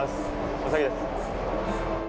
お先です。